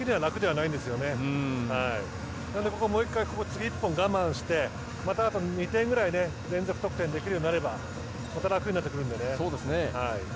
なのでもう１回次、１本我慢してまたあと２点くらい連続得点できれば楽になってくるのでね。